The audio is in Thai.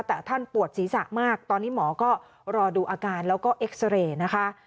แต่ท่านปวดศีรษะมากตอนนี้หมอก็รอดูอาการแล้วก็เอ็กซาเรย์นะคะ